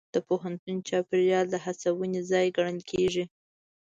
د پوهنتون چاپېریال د هڅونې ځای ګڼل کېږي.